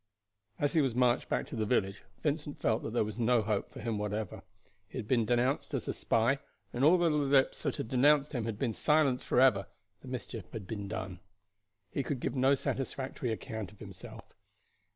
As he was marched back to the village Vincent felt that there was no hope for him whatever. He had been denounced as a spy, and although the lips that had denounced him had been silenced forever, the mischief had been done. He could give no satisfactory account of himself.